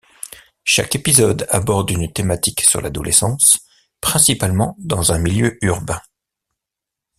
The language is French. Chaque épisode aborde une thématique sur l’adolescence, principalement dans un milieu urbain.